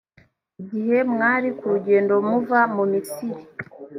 igihe mwari ku rugendo muva mu misiri.